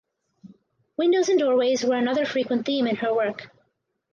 Windows and doorways were another frequent theme in her work.